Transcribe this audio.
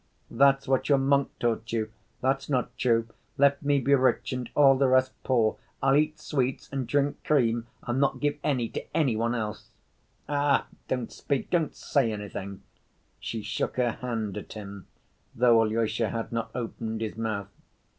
"That's what your monk taught you. That's not true. Let me be rich and all the rest poor, I'll eat sweets and drink cream and not give any to any one else. Ach, don't speak, don't say anything," she shook her hand at him, though Alyosha had not opened his mouth.